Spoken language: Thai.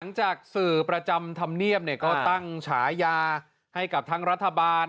จากสื่อประจำธรรมเนียบก็ตั้งฉายาให้กับทั้งรัฐบาล